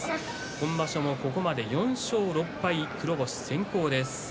今場所は、ここまで４勝６敗黒星先行です。